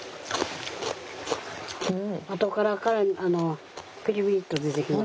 あとから辛みピリピリッと出てきますよ。